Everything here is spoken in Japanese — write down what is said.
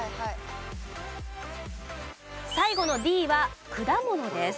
最後のＤは果物です。